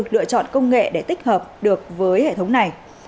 lựa chọn công nghệ để tích hợp được với hệ thống này